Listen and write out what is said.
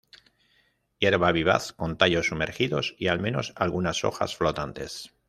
Hierba vivaz, con tallos sumergidos y al menos algunas hojas flotantes.